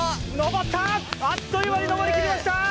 あっという間に登りきりました。